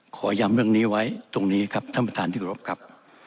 ขอย้ำเรื่องนี้ไว้ตรงนี้ครับท่านประธานที่กรบครับ